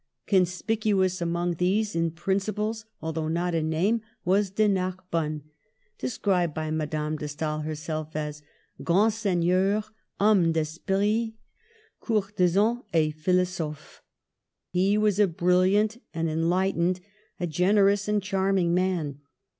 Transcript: Conspicuous among these, in principles although not in name, was De Narbonne, de scribed by Madame de Stael herself as " Grand seigneur, homme <£ esprit, courtisan et philosopher He was a brilliant, an enlightened, a generous and charming man.